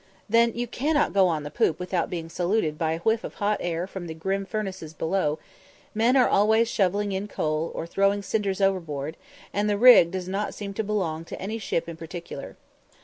Then you cannot go on the poop without being saluted by a whiff of hot air from the grim furnaces below; men are always shovelling in coal, or throwing cinders overboard; and the rig does not seem to belong to any ship in particular.